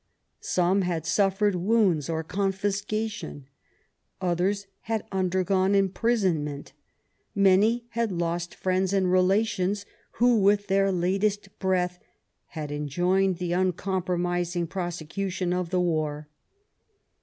Some had suffered wounds or confiscation; others had undergone imprisonment; many had lost friends and relations, who with their latest breath had enjoined the uncompromising prosecution of the war.